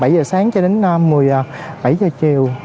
bảy giờ sáng cho đến một mươi bảy giờ chiều